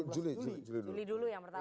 juli dulu yang pertama